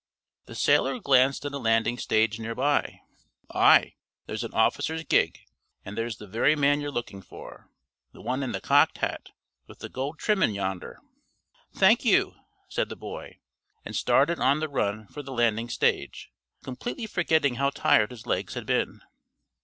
The sailor glanced at a landing stage near by. "Aye, there's an officer's gig, and there's the very man you're lookin' for. The one in the cocked hat with the gold trimmin' yonder." "Thank you," said the boy, and started on the run for the landing stage, completely forgetting how tired his legs had been.